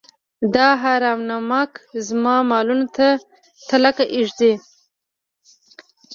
دا حرام نمکه زما مالونو ته تلکه ږدي.